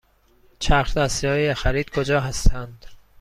چرخ دستی های خرید کجا هستند؟